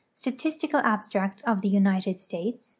S'atistical Abstract of the United States.